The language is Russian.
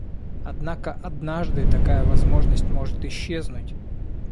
Однако однажды такая возможность может исчезнуть.